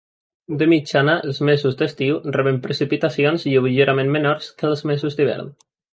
De mitjana, els mesos d'estiu reben precipitacions lleugerament menors que els mesos d'hivern.